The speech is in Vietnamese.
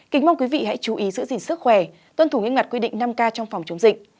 kính mong quý vị hãy chú ý giữ gìn sức khỏe tuân thủ nghiêm ngặt quy định năm k trong phòng chống dịch